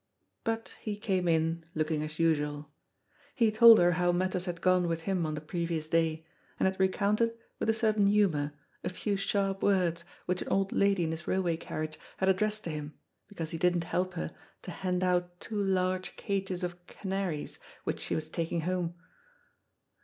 But he came in looking as usual. He told her how matters had gone with him on the previous day, and had recounted, with a certain humour, a few sharp words which an old lady in his railway carriage had addressed to him, because he didn't help her to hand out two large cages of canaries which she was taking home.